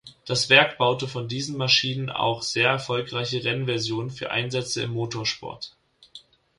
Das Werk baute von diesen Maschinen auch sehr erfolgreiche Rennversionen für Einsätze im Motorsport.